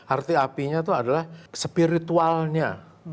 arti apinya itu adalah spiritualnya